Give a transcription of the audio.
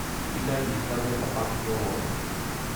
依家現金一個鏰都冇